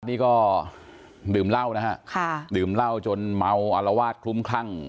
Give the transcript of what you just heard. นี่ก็ดื่มเหล้านะฮะค่ะดื่มเหล้าจนเมาอารวาสคลุ้มคลั่ง